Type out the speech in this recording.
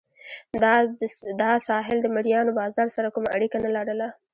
دا ساحل د مریانو بازار سره کومه اړیکه نه لرله.